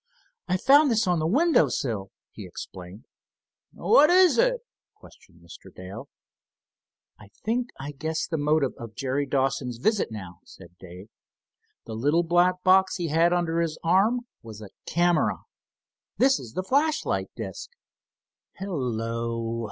"I found this on the window sill," he explained. "What is it?" questioned Mr. Dale. "I think I guess the motive of Jerry Dawson's visit now," said Dave. "The little black box he had under his arm was a camera. This is the flashlight disc." "Hello!"